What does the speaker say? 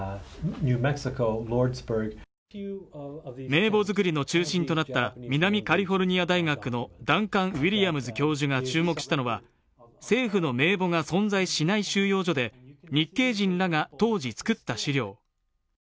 名簿作りの中心となった南カリフォルニア大学のダンカン・ウィリアムズ教授が注目したのは政府の名簿が存在しない収容所で日系人が当時作った資料。